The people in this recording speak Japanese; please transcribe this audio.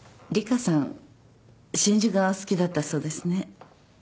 真珠が好きだったそうですね。